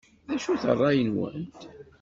D acu-t ṛṛay-nwent?